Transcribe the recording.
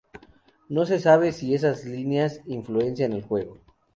No se sabe si esas líneas influencian el juego.